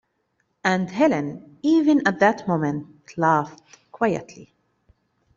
And Helene, even at that moment, laughed quietly.